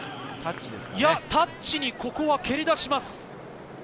タッチに蹴り出します。